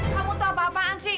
kamu tahu apa apaan sih